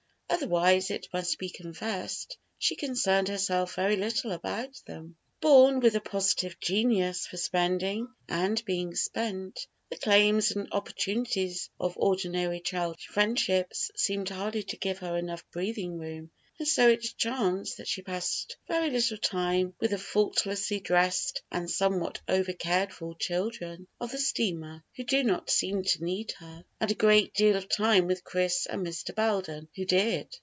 Otherwise, it must be confessed, she concerned herself very little about them. Born with a positive genius for spending and being spent, the claims and opportunities of ordinary child friendships seemed hardly to give her enough breathing room; and so it chanced that she passed very little time with the faultlessly dressed and somewhat overcared for children of the steamer, who did not seem to need her, and a great deal of time with Chris and Mr. Belden, who did.